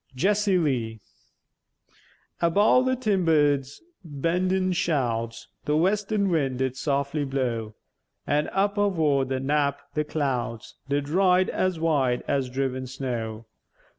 JESSIE LEE Above the timber's bendèn sh'ouds, The western wind did softly blow; An' up avore the knap, the clouds Did ride as white as driven snow.